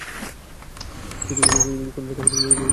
সেই চোঙ্গা দিয়ে কোনো যাত্রাগান কিংবা ঘোড় দৌড়ের প্রচার করা হতো।